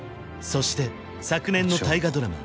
そして昨年の大河ドラマ